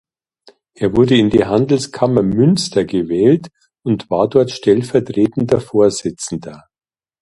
Er wurde in die Handelskammer Münster gewählt und war dort stellvertretender Vorsitzender.